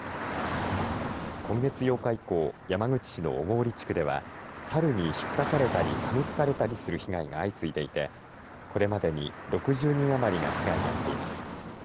今月８日以降、山口市の小郡地区ではサルにひっかかれたりかみつかれたりする被害が相次いでいてこれまでに６０人余りが被害に遭っています。